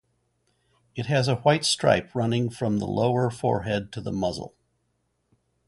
It has a white stripe running from the lower forehead to the muzzle.